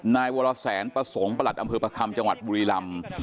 นายวรแสนประสงค์ประหลัดอำเภอประคำจังหวัดบุรีลำ